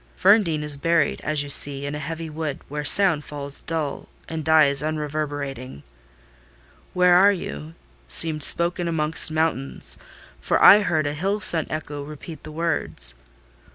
Ferndean is buried, as you see, in a heavy wood, where sound falls dull, and dies unreverberating. 'Where are you?' seemed spoken amongst mountains; for I heard a hill sent echo repeat the words.